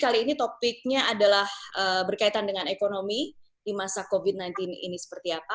kali ini topiknya adalah berkaitan dengan ekonomi di masa covid sembilan belas ini seperti apa